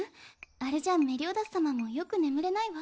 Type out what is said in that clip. あれじゃあメリオダス様もよく眠れないわ。